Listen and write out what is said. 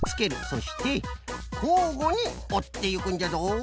そしてこうごにおっていくんじゃぞ。